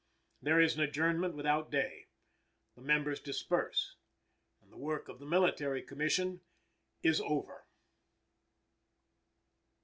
There is an adjournment without day. The members disperse, and the work of the Military Commission is over.